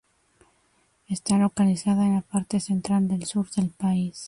Está localizada en la parte central del sur del país.